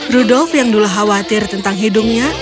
rudolf yang dulu khawatir tentang hidungnya